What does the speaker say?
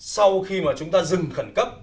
sau khi mà chúng ta dừng khẩn cấp